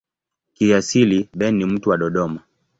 Kiasili Ben ni mtu wa Dodoma.